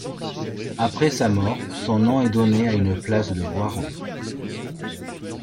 Après sa mort, son nom est donné à une place de Voiron.